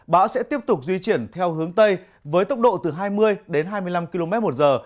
bão sẽ tiếp tục di chuyển theo hướng tây với tốc độ từ hai mươi đến hai mươi năm km một giờ